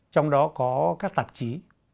trong đó có các tạp chí